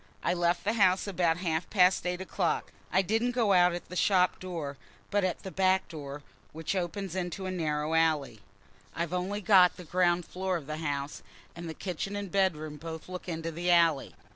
I left the house about half past eight o'clock. I didn't go out at the shop door, but at the back door, which opens into a narrow alley. I've only got the ground floor of the house, and the kitchen and bedroom both look into the alley.